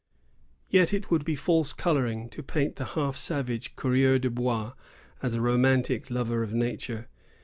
115 Yet it would be false coloring to paint the half savage coureur de bois as a romantic lover of Nature.